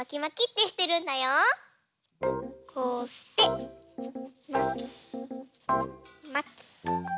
こうしてまきまき。